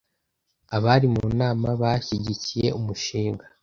Abari mu nama bashyigikiye umushinga